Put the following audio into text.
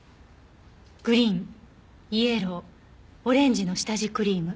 グリーンイエローオレンジの下地クリーム。